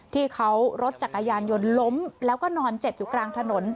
ที่เขารถจักรยานยนต์ล้มแล้วก็นอนเจ็บอยู่กลางถนน